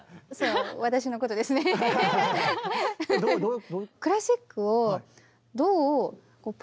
どういう？